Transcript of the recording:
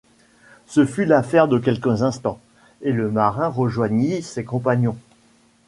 Ce fut l’affaire de quelques instants, et le marin rejoignit ses compagnons